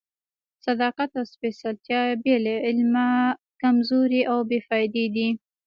صداقت او سپېڅلتیا بې له علمه کمزوري او بې فائدې دي.